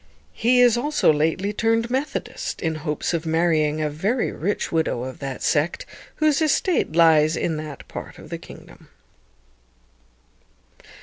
He is also lately turned Methodist, in hopes of marrying a very rich widow of that sect, whose estate lies in that part of the kingdom.